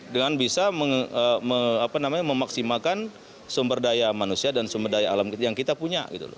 dengan bisa memaksimalkan sumber daya manusia dan sumber daya alam yang kita punya